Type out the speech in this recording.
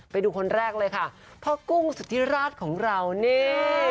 ไปดูคนแรกเลยค่ะพ่อกุ้งสุธิราชของเรานี่